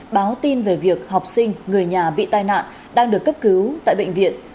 báo tin về việc học sinh người nhà bị tai nạn đang được cấp cứu tại bệnh viện